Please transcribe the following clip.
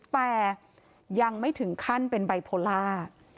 แต่ยังไม่ถึงขั้นเป็นไบโพลา